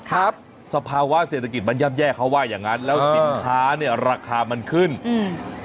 ครับสภาวะเศรษฐกิจมันย่ำแย่เขาว่าอย่างงั้นแล้วสินค้าเนี้ยราคามันขึ้นอืม